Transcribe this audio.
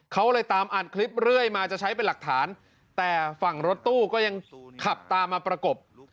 เขาเลยตามอ่านคลิปเรื่อยมาจะใช้เป็นหลักฐานแต่ฝั่งรถตู้ก็ยังขับตามมาประกบ